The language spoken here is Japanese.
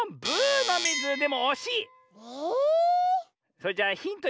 それじゃあヒント